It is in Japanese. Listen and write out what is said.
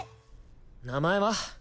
名前は？